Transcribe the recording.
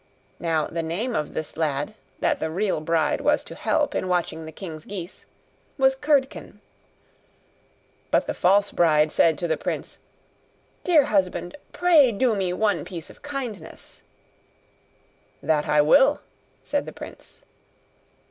Now the name of this lad, that the real bride was to help in watching the king's geese, was Curdken. But the false bride said to the prince, 'Dear husband, pray do me one piece of kindness.' 'That I will,' said the prince.